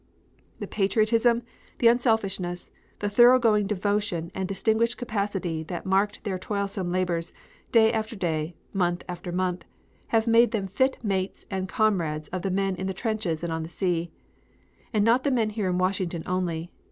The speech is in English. The patriotism, the unselfishness, the thoroughgoing devotion and distinguished capacity that marked their toilsome labors, day after day, month after month, have made them fit mates and comrades of the men in the trenches and on the sea. And not the men here in Washington only.